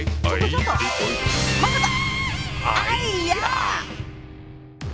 まさか。